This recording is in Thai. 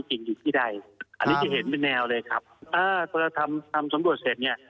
อันนี้จะเห็นเป็นแนวเลยครับแต่เราทำสำดวชเซ็ตเนี่ย